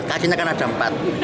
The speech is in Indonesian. kakinya kan ada empat